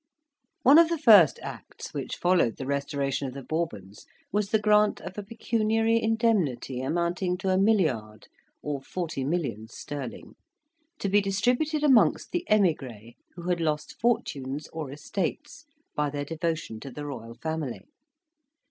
One of the first acts which followed the Restoration of the Bourbons was the grant of a pecuniary indemnity, amounting to a milliard, or forty millions sterling, to be distributed amongst the emigres who had lost fortunes or estates by their devotion to the royal family.